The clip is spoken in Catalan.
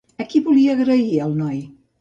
A qui volia agrair el noi?